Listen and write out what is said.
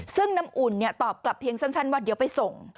ซึ่งน้ำอุ่นตอบกลับเพียงสั้นว่าเดี๋ยวไปส่ง